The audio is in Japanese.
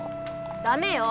ダメよ。